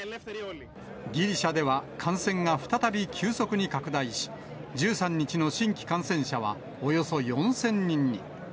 ギリシャでは、感染が再び急速に拡大し、１３日の新規感染者はおよそ４０００人に。